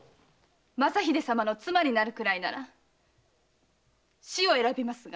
正秀様の妻になるくらいなら死を選びますが。